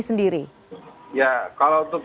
sendiri ya kalau untuk